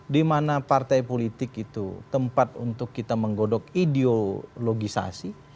dimana partai politik itu tempat untuk kita menggodok ideologisasi